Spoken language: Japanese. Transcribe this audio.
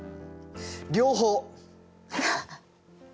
両方！